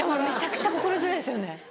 めちゃくちゃ心強いですよね。